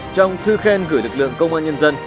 trong thư khen gửi lực lượng công an nhân dân